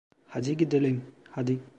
Hadi gidelim, hadi.